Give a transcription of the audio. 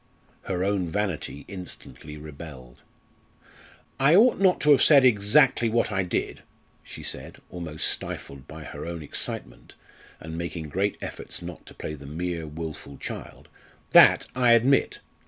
Her own vanity instantly rebelled. "I ought not to have said exactly what I did," she said, almost stifled by her own excitement, and making great efforts not to play the mere wilful child; "that I admit.